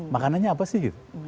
makanannya apa sih gitu